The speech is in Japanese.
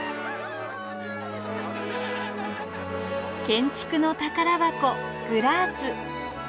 建築の宝箱グラーツ。